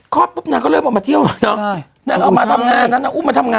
ครอบปุ๊บนางก็เริ่มออกมาเที่ยวนางออกมาทำงานนางอุ้มมาทำงาน